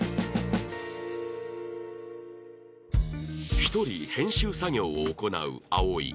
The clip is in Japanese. １人編集作業を行う葵